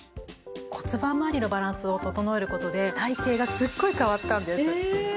骨盤まわりのバランスを整える事で体形がすごい変わったんです。